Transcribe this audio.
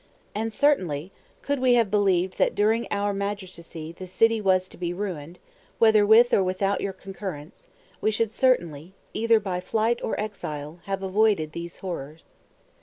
And certainly, could we have believed that during our magistracy the city was to be ruined, whether with or without your concurrence, we should certainly, either by flight or exile, have avoided these horrors.